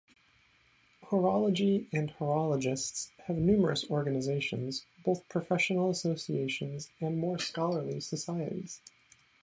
Horology and horologists have numerous organizations, both professional associations and more scholarly societies.